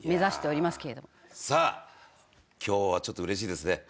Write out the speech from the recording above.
さあ今日はちょっと嬉しいですね。